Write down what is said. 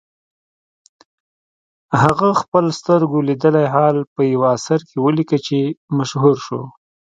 هغه خپل سترګو لیدلی حال په یوه اثر کې ولیکه چې مشهور شو.